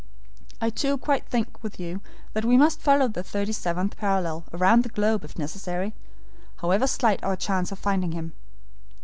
I too quite think with you that we must follow the thirty seventh parallel round the globe if necessary, however slight our chance of finding him.